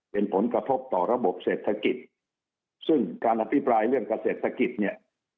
เป็นผลกระทบต่อระบบเศรษฐกิจซึ่งการอภิปรายเรื่องเกษตรเนี่ย